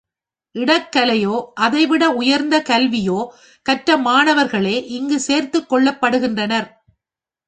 இடைக்கலையோ, அதைவிட உயர்ந்த கல்வியோ கற்ற மாணவர்களே இங்குச் சேர்த்துக் கொள்ளப்படுகின்றனர்.